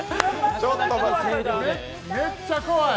めっちゃ怖い。